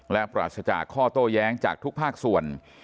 และปราศจากข้อโต้แย้งจากทุกภาคส่วน